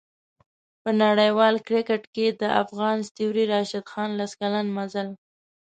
په نړیوال کریکټ کې د افغان ستوري راشد خان لس کلن مزل